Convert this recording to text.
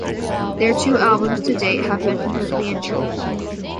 Their two albums to date have been completely in German.